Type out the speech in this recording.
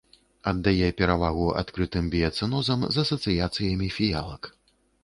Аддае перавагу адкрытым біяцэнозам з асацыяцыямі фіялак.